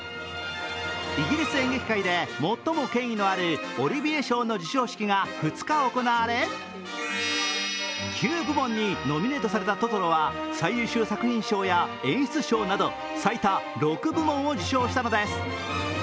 イギリス演劇界で、最も権威のあるオリビエ賞の授賞式が２日行われ９部門にノミネートされた「トトロ」は最優秀作品賞や演出賞など最多６部門を受賞したのです。